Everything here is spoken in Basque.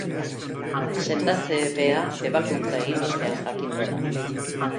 Sendatze-epea ebakuntza egin ostean jakingo da.